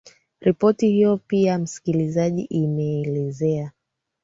ripoti hiyo pia msikilizaji imeelezea